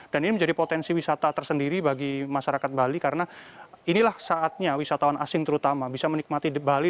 dan ini menjadi potensi wisata tersendiri bagi masyarakat bali karena inilah saatnya wisatawan asing terutama bisa menikmati bali